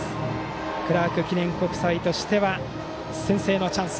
クラーク記念国際としては先制のチャンス。